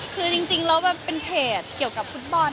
คือจริงแล้วแบบเป็นเพจเกี่ยวกับฟุตบอล